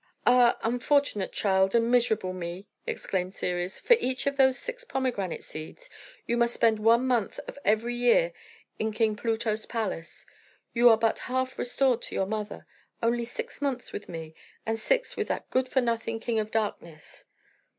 "Ah, unfortunate child, and miserable me!" exclaimed Ceres. "For each of those six pomegranate seeds you must spend one month of every year in King Pluto's palace. You are but half restored to your mother. Only six months with me, and six with that good for nothing King of Darkness!"